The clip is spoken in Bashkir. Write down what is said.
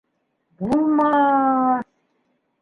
Булма-аҫ!